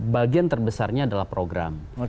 bagian terbesarnya adalah program